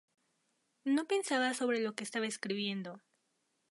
No pensaba sobre lo que estaba escribiendo".